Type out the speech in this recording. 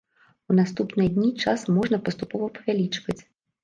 У наступныя дні час можна паступова павялічваць.